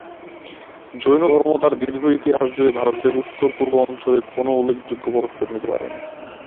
জৈন ধর্ম তার দীর্ঘ ইতিহাস জুড়ে ভারতের উত্তর-পূর্ব অঞ্চলে কোনও উল্লেখযোগ্য পদক্ষেপ নিতে পারেনি।